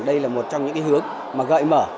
đây là một trong những cái hướng mà gợi mở